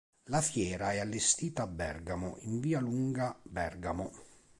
La fiera è allestita a Bergamo in via Lunga Bergamo.